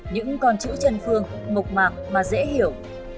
những con chữ chân phương mộc mạc mà dễ hiểu